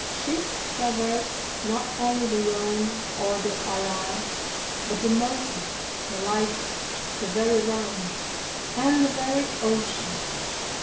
Ships trav erse not only the Rhone or the Arar, but the Mosa^ the Liger, the very Rhine, and the very ocean.